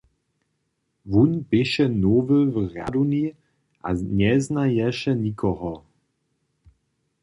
Wón běše nowy w rjadowni a njeznaješe nikoho.